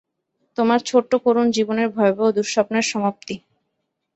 তোমার ছোট্ট করুণ জীবনের ভয়াবহ দুঃস্বপ্নের সমাপ্তি।